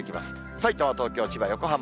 さいたま、東京、千葉、横浜。